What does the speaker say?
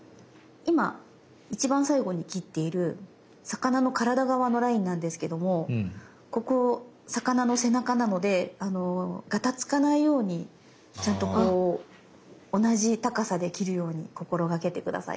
今一番最後に切っている魚の体側のラインなんですけどもここ魚の背中なのでがたつかないようにちゃんとこう同じ高さで切るように心掛けて下さい。